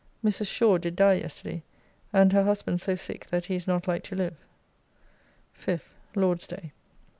Mrs. Shaw did die yesterday and her husband so sick that he is not like to live. 5th. Lord's day.